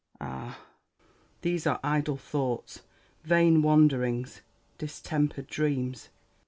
Ah ! these are idle thoughts, vain wanderings, distempered dreams.